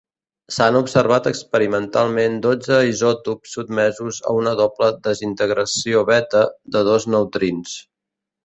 S'han observat experimentalment dotze isòtops sotmesos a una doble desintegració beta de dos neutrins.